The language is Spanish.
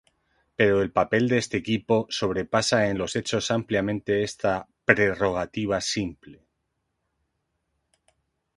Pero el papel de este equipo sobrepasa en los hechos ampliamente esta prerrogativa simple.